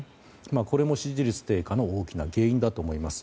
これも支持率低下の大きな原因だと思います。